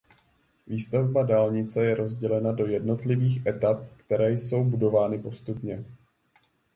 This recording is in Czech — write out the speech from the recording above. Výstavba dálnice je rozdělena do jednotlivých etap které jsou budovány postupně.